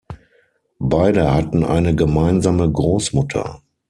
Beide hatten eine gemeinsame Großmutter.